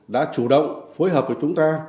đã chủ động phối hợp với chúng ta